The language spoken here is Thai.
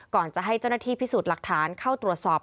ก่อนจะให้เจ้าหน้าที่พิสูจน์หลักฐานเข้าตรวจสอบ